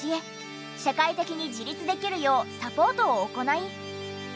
社会的に自立できるようサポートを行い。